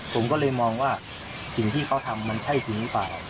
ผมก็เลยมองว่าสิ่งที่เขาทำมันใช่จริงหรือเปล่า